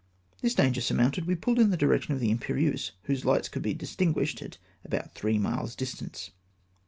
This danger surmounted, we pulled in the direction of the Imi^erieuse, whose Hghts could be distinguished at about three miles' distance.